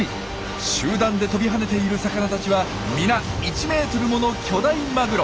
集団で跳びはねている魚たちはみな１ｍもの巨大マグロ。